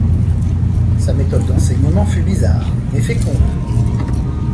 Sa méthode d’enseignement fut bizarre, mais féconde.